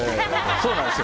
そうなんです。